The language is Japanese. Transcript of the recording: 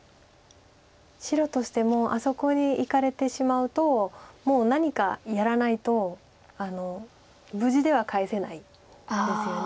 白としてもあそこにいかれてしまうともう何かやらないと無事では帰せないですよね